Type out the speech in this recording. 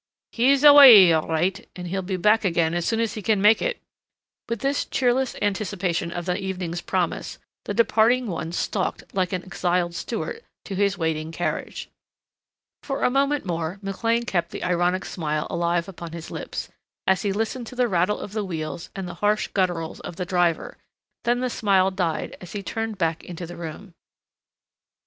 "He's awa' all right and he'll be back again as soon as he can make it." With this cheerless anticipation of the evening's promise, the departing one stalked, like an exiled Stuart, to his waiting carriage. For a moment more McLean kept the ironic smile alive upon his lips, as he listened to the rattle of the wheels and the harsh gutturals of the driver, then the smile died as he turned back into the room.